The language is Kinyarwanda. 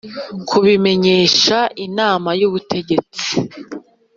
kubimenyesha Inama y Ubutegetsi